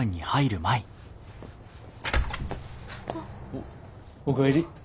おっお帰り。